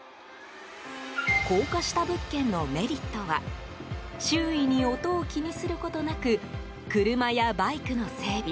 高架下物件のメリットは周囲に音を気にすることなく車やバイクの整備